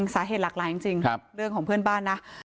สาเหตุหลากหลายจริงเรื่องของเพื่อนบ้านนะ